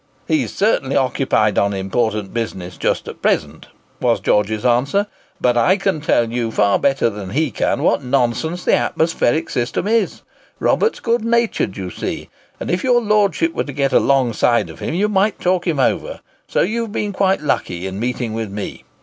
"He's certainly occupied on important business just at present," was George's answer; "but I can tell you far better than he can what nonsense the atmospheric system is: Robert's good natured, you see, and if your Lordship were to get alongside of him you might talk him over; so you have been quite lucky in meeting with me.